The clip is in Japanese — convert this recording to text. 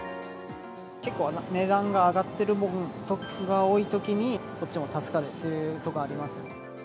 結構、値段が上がってるものとかが多いときに、こっちも助かるというところあります。